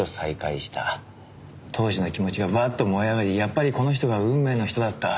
当時の気持ちがわっと燃え上がりやっぱりこの人が運命の人だった。